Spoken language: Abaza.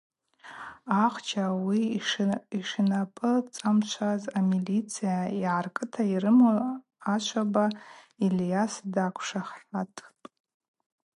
Ахча ауи йшинапӏыцӏамшвас амилиция йгӏаркӏыта йрыму Ашваба Ильйас даквшахӏатпӏ.